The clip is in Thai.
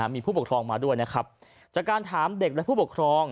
มีผู้ปกครองมาด้วยนะครับจากการถามเด็กและผู้ปกครอง